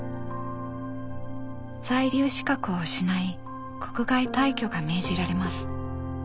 在留資格を失い国外退去が命じられます。